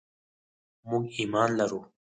موږ ایمان لرو.